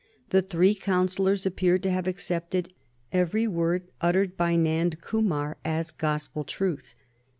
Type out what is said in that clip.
The three councillors appear to have accepted every word uttered by Nand Kumar as gospel truth.